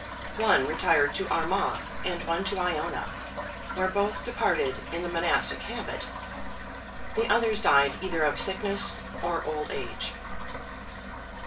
One retired to Armagh and one to Iona, where both departed in the monastic habit; the others died either of sickness or old age.